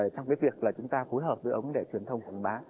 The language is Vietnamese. trong cái việc là chúng ta phối hợp với ông để truyền thông quảng bá